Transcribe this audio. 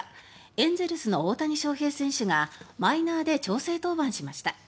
エンゼルスの大谷翔平選手がマイナーで調整登板しました。